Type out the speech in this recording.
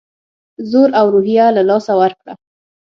زور او روحیه له لاسه ورکړه.